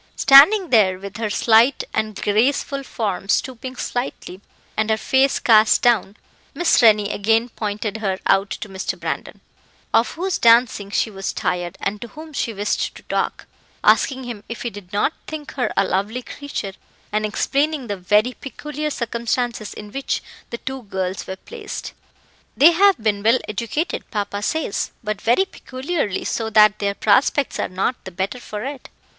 Standing there, with her slight and graceful form stooping slightly, and her face cast down, Miss Rennie again pointed her out to Mr. Brandon, of whose dancing she was tired, and to whom she wished to talk, asking him if he did not think her a lovely creature, and explaining the very peculiar circumstances in which the two girls were placed. "They have been well educated, papa says, but very peculiarly, so that their prospects are not the better for it.